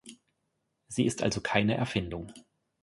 Sie ist also keine Erfindung.